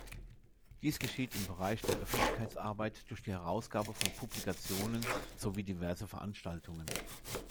Dies geschieht im Bereich der Öffentlichkeitsarbeit durch die Herausgabe von Publikationen sowie diverse Veranstaltungen.